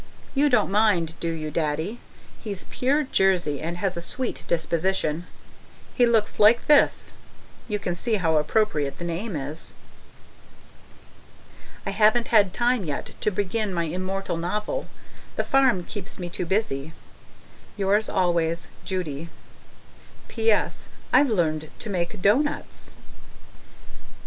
You don't mind, do you, Daddy? He's pure Jersey and has a sweet disposition. He looks like this you can see how appropriate the name is. I haven't had time yet to begin my immortal novel; the farm keeps me too busy. Yours always, Judy PS. I've learned to make doughnuts.